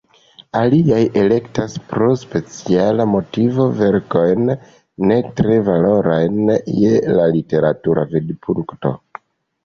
Aliaj elektas pro speciala motivo verkojn ne tre valorajn je la literatura vidpunkto.